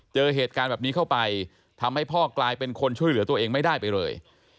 เจอเหตุการณ์แบบนี้เข้าไปทำให้พ่อกลายเป็นคนช่วยเหลือตัวเองไม่ได้ไปเลย